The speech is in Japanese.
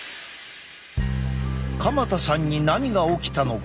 鎌田さんに何が起きたのか？